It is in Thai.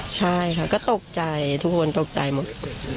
ใช่ค่ะก็ตกใจทุกคนตกใจหมด